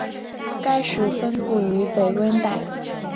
该属分布于北温带。